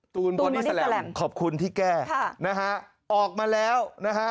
ตูนบอร์ดิสเซอรัมขอบคุณที่แก้นะฮะออกมาแล้วนะฮะ